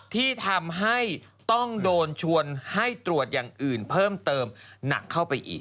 ที่ทำให้ต้องโดนชวนให้ตรวจอย่างอื่นเพิ่มเติมหนักเข้าไปอีก